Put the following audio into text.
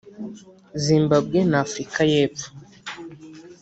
Zimbabwe na Afurika y’Epfo